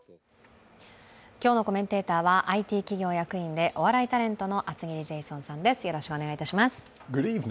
今日のコメンテーターはＩＴ企業役員でお笑いタレントの厚切りジェイソンさんです。